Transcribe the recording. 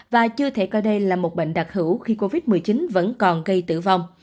và chưa thể coi đây là một bệnh đặc hữu khi covid một mươi chín vẫn còn gây tử vong